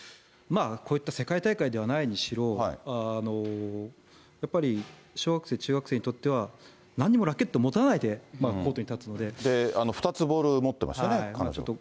こういった世界大会ではないにしろ、やっぱり、小学生、中学生にとっては、何もラケット持たないで、２つボール持ってましたよね、彼女は。